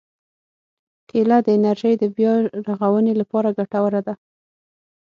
کېله د انرژي د بیا رغونې لپاره ګټوره ده.